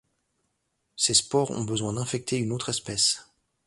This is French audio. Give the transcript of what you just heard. Ces spores ont besoin d'infecter une autre espèce.